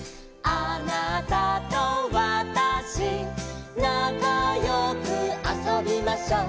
「あなたとわたしなかよくあそびましょ」